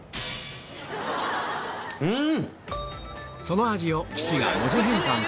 うん！